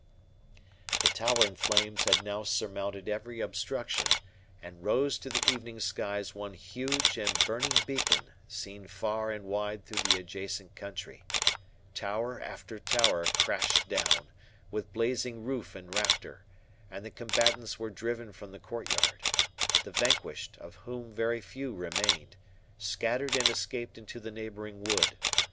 39 The towering flames had now surmounted every obstruction, and rose to the evening skies one huge and burning beacon, seen far and wide through the adjacent country. Tower after tower crashed down, with blazing roof and rafter; and the combatants were driven from the court yard. The vanquished, of whom very few remained, scattered and escaped into the neighbouring wood.